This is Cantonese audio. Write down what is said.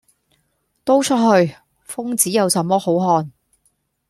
「都出去！瘋子有什麼好看！」